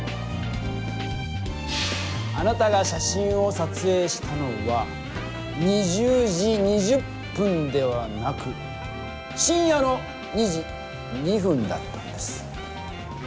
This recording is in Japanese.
あなたが写真をさつえいしたのは２０時２０分ではなく深夜の２時２分だったんです。